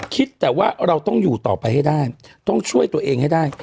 คิดแต่ว่าเราต้องอยู่ต่อไปให้ได้ต้องช่วยตัวเองให้ได้